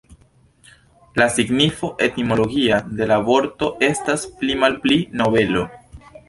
La signifo etimologia de la vorto estas pli malpli "nobelo".